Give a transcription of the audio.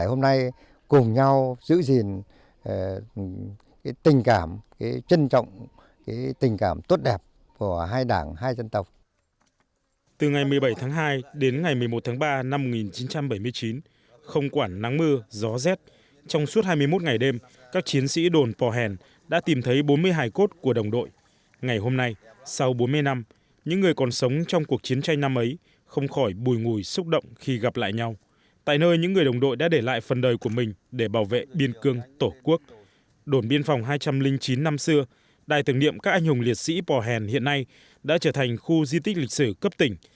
đồn biên phòng hai trăm linh chín năm xưa đài tưởng niệm các anh hùng liệt sĩ bò hèn hiện nay đã trở thành khu di tích lịch sử cấp tỉnh